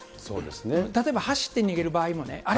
例えば走って逃げる場合もあれ？